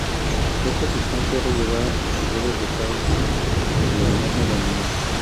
Esta sustancia era llevada en sus roles de caucho y a lomo de animal.